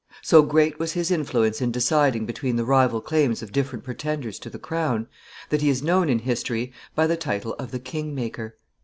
So great was his influence in deciding between the rival claims of different pretenders to the crown, that he is known in history by the title of the King maker.